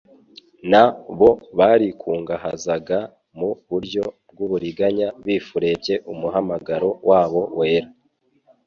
na bo barikungahazaga mu buryo bw'uburiganya bifurebye umuhamagaro wabo wera.